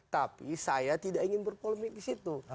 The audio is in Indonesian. tapi saya tidak ingin berpolemik di situ